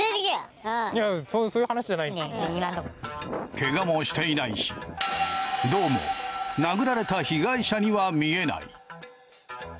ケガもしていないしどうも殴られた被害者には見えない。